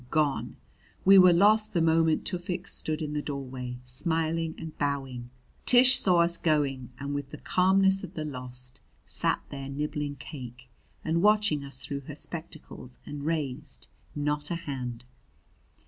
Gone! We were lost the moment Tufik stood in the doorway, smiling and bowing. Tish saw us going; and with the calmness of the lost sat there nibbling cake and watching us through her spectacles and raised not a hand.